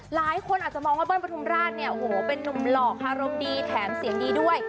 หลายคนอาจจะมองว่าเบิ้ประทุมราชเนี่ยโอ้โหเป็นนุ่มหลอกอารมณ์ดีแถมเสียงดีด้วย